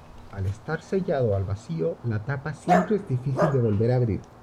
Al estar sellado al vacío la tapa siempre es difícil de volver a abrir.